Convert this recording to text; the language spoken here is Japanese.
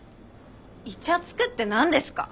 イチャつくって何ですか？